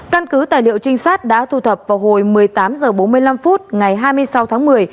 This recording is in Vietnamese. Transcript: căn cứ tài liệu trinh sát đã thu thập vào hồi một mươi tám h bốn mươi năm ngày hai mươi sáu tháng một mươi